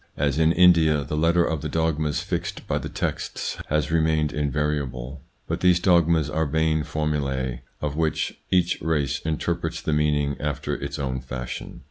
As in India, the letter of the dogmas fixed by the texts has remained invariable ; but these dogmas are vain formulae of which each race interprets the meaning after its own fashion.